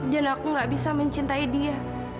dan aku gak bisa mencintai dia